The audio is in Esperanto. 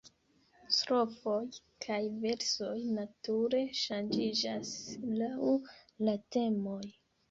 Strofoj kaj versoj nature ŝanĝiĝas laŭ la temoj.